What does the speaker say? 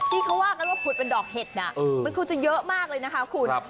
ที่เขาว่ากันว่าผุดเป็นดอกเห็ดมันคงจะเยอะมากเลยนะคะคุณ